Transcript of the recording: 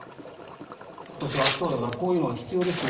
今年は暑そうだからこういうのが必要ですよ